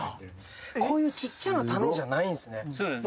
こういうちっちゃな種じゃないんですね